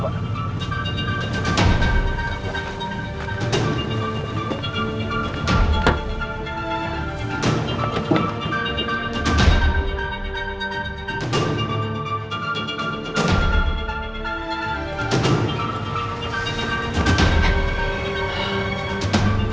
dan dapat tahan